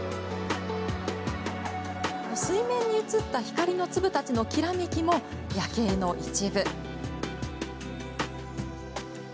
水面に映った光の粒たちのきらめきも夜景の一部。